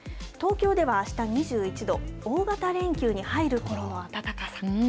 東京ではあした２１度、大型連休に入るころの暖かさ。